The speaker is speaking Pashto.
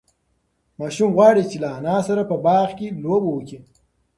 ماشوم غواړي چې له انا سره په باغ کې لوبه وکړي.